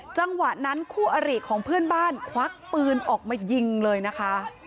จังหวะนั้นคู่อริของเพื่อนบ้านควักปืนออกมายิงเลยนะคะ